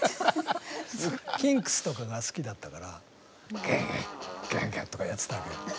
キンクスとかが好きだったからガガッガガッとかやってたね。